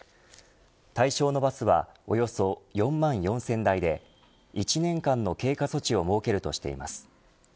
対象のバスはおよそ４万４０００台で１年間の経過措置を設けるとしています。